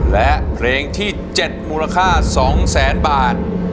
และเพลงที่๗มูลค่า๒แสนบาท